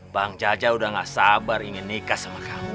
bang jaja udah gak sabar ingin nikah sama kamu